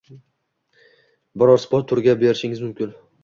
biror sport turiga berishingiz mumkin.